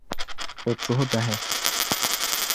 O tuhi bahi.